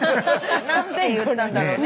「何て言ったんだろうね？